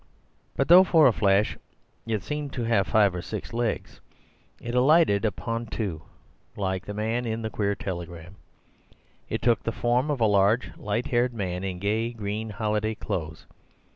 But though for a flash it seemed to have five or six legs, it alighted upon two, like the man in the queer telegram. It took the form of a large light haired man in gay green holiday clothes.